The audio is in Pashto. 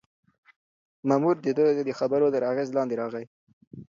مامور د ده د خبرو تر اغېز لاندې راغی.